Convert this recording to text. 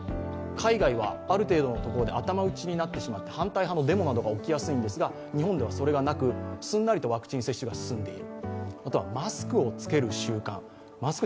海外はある程度のところで頭打ちになってしまって、反対派のデモなどが起きやすいんですが日本ではそれがなくすんなりとワクチン接種が進んでいる。